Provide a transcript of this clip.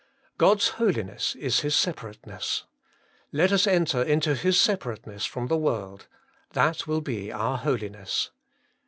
6. God's holiness is His separateness ; let us enter into His separateness from the world ; that will be our holiness.